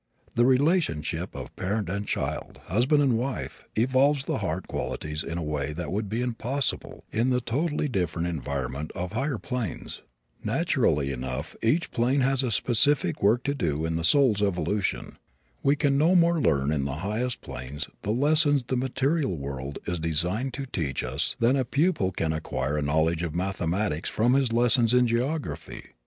The relationship of parent and child, husband and wife, evolves the heart qualities in a way that would be impossible in the totally different environment of higher planes. Naturally enough, each plane has a specific work to do in the soul's evolution. We can no more learn in the highest planes the lessons the material world is designed to teach us than a pupil can acquire a knowledge of mathematics from his lessons in geography.